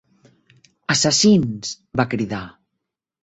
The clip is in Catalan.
"Assassins!", va cridar.